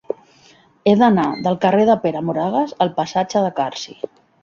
He d'anar del carrer de Pere Moragues al passatge de Carsi.